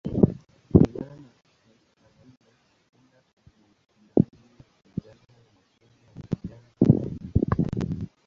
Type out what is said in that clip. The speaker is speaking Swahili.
Kulingana na aina, tunda ina rangi ya njano, ya machungwa, ya kijani, au nyekundu.